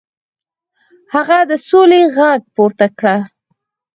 هغه د سولې غږ پورته کړ.